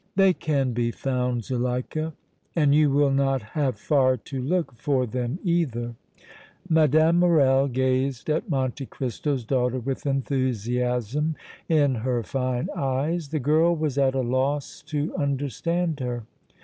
"They can be found, Zuleika, and you will not have far to look for them either!" Mme. Morrel gazed at Monte Cristo's daughter with enthusiasm in her fine eyes. The girl was at a loss to understand her.